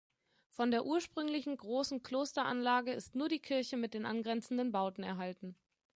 Von der ursprünglichen großen Klosteranlage ist nur die Kirche mit den angrenzenden Bauten erhalten.